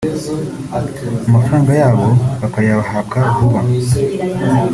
amafaranga yabo bakayahabwa vuba